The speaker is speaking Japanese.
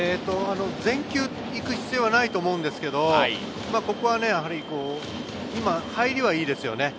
全球行く必要はないと思うんですけれど、入りはいいですよね。